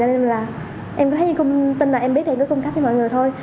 nên là em cứ thấy như không tin là em biết thì em cứ cung cấp cho mọi người thôi